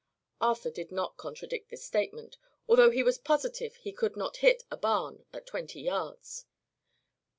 Arthur did not contradict this statement, although he was positive he could not hit a barn at twenty yards.